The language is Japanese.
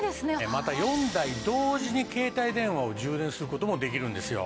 また４台同時に携帯電話を充電する事もできるんですよ。